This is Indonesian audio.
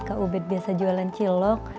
kak ubed biasa jualan cilok